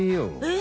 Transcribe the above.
え？